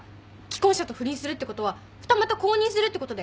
既婚者と不倫するってことは二股公認するってことだよ？